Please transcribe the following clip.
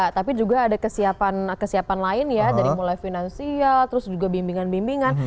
tapi juga ada kesiapan lain ya dari mulai finansial terus juga bimbingan bimbingan